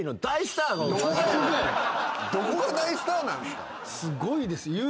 すごいです。